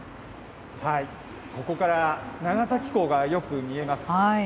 ここから長崎港がよく見えます。